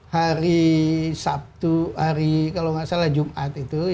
hari sabtu hari kalau nggak salah jumat itu